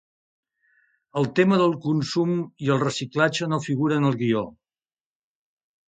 El tema del consum i el reciclatge no figura en el guió.